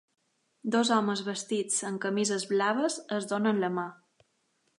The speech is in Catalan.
Dos homes vestits amb camises blaves es donen la mà